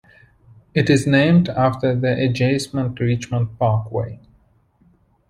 It is named after the adjacent Richmond Parkway.